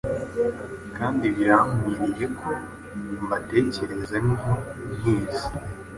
kandi birankwiriye ko mbatekereza ntyo mwese